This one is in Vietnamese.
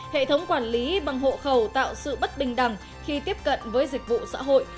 hệ thống quản lý bằng hộ khẩu tạo sự bất bình đẳng khi tiếp cận với dịch vụ xã hội